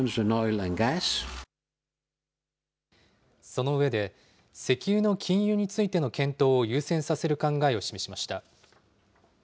その上で、石油の禁輸についての検討を優先させる考えを示しました。